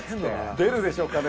出るでしょうかね？